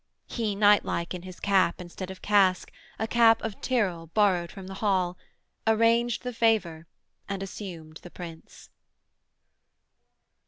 He knightlike in his cap instead of casque, A cap of Tyrol borrowed from the hall, Arranged the favour, and assumed the Prince.